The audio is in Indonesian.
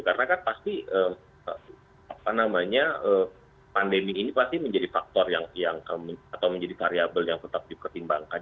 karena kan pasti pandemi ini pasti menjadi faktor atau menjadi variable yang tetap dipertimbangkan